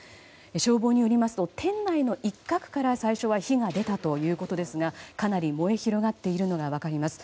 消防によりますと店内の一角から最初は火が出たということですがかなり燃え広がっているのが分かります。